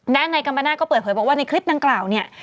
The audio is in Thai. ด้านนายกัมปนาศก็เปิดเผยบอกว่าในคลิปดังกล่าวเนี่ย